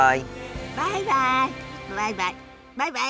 バイバイ。